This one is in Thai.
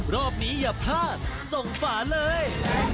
รอบนี้อย่าพลาดส่งฝาเลย